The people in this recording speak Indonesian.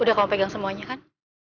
udah kalau pegang semuanya kan